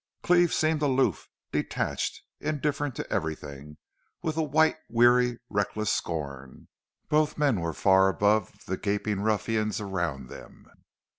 Cleve seemed aloof, detached, indifferent to everything, with a white, weary, reckless scorn. Both men were far above the gaping ruffians around them.